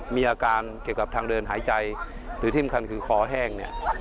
มีอาการเกี่ยวกับทางเดินหายใจหรือที่มีคำคือคอแห้ง